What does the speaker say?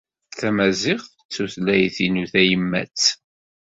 Tamaziɣt d tutlayt-inu tayemmat.